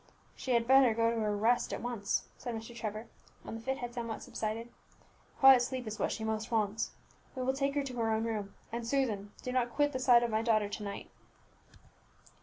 "She had better go to rest at once," said Mr. Trevor, when the fit had somewhat subsided; "quiet sleep is what she most wants. We will take her to her own room; and, Susan, do not quit the side of my daughter to night."